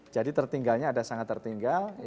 jadi tertinggalnya ada sangat tertinggal